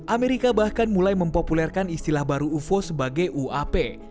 amerika bahkan mulai mempopulerkan istilah baru ufo sebagai uap